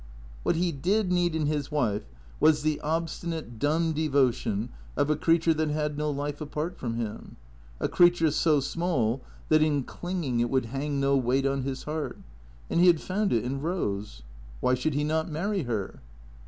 What he did need in his wife was the obstinate, dumb devo tion of a creature that had no life apart from him; a creature so small that in clinging it would hang no weight on his heart. And he had found it in Rose. Wliy should he not marry her?